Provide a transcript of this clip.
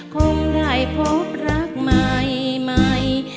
คงได้พบรักใหม่ใหม่